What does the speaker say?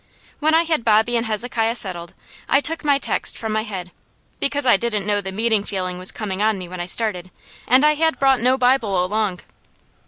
When I had Bobby and Hezekiah settled I took my text from my head, because I didn't know the meeting feeling was coming on me when I started, and I had brought no Bible along.